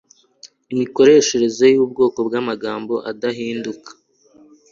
imikoreshereze y'ubwoko bw'amagambo adahinduka